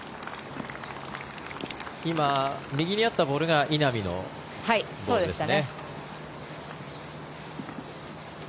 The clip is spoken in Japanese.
今、右にあったボールが稲見のボールですね。